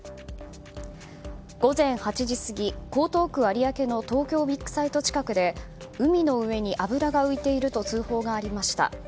午前８時過ぎ、江東区有明の東京ビッグサイト近くで海の上に油が浮いていると通報がありました。